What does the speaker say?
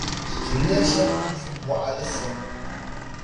Zuliya shɛb’ gbi bɔɣili sɔŋ.